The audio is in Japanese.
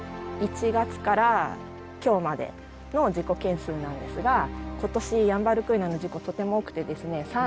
１月から今日までの事故件数なんですが今年ヤンバルクイナの事故とても多くてですね３１件。